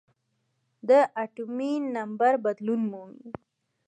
د اتومي نمبر بدلون مومي .